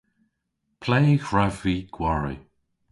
Ple hwrav vy gwari?